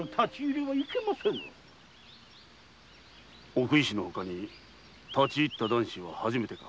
奥医師のほかに立ち入った男子は初めてか？